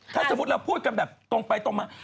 ถ้าสมมุติเราพูดกันแบบตรงไปตรงมา